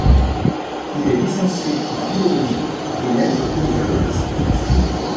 Il est licencié en philologie et lettres et journaliste.